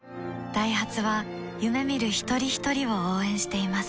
ダイハツは夢見る一人ひとりを応援しています